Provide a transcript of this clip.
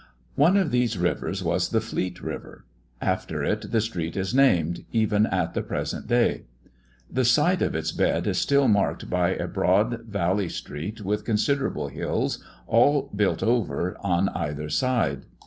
One of these rivers was the Fleet river. After it the street is named even at the present day. The site of its bed is still marked by a broad valley street with considerable hills, all built over, on either side.